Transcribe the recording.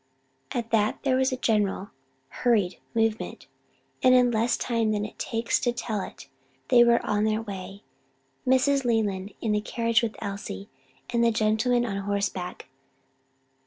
At that there was a general, hurried movement, and in less time than it takes to tell it, they were on their way; Mrs. Leland in the carriage with Elsie, and the gentlemen on horseback.